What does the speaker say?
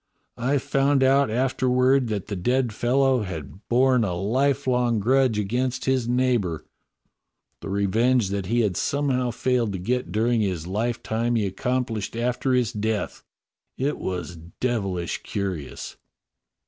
"I found out afterward that the dead fellow had A CURIOUS BREAKFAST PARTY 149 borne a lifelong grudge against his neighbour. The revenge that he had somehow failed to get during his lifetime he accomplished after his death. It was devil ish curious."